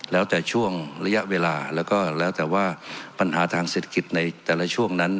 แล้วแต่ช่วงระยะเวลาแล้วก็แล้วแต่ว่าปัญหาทางเศรษฐกิจในแต่ละช่วงนั้น